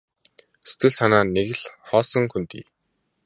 Сэтгэл санаа нь нэг хоосон хөндий.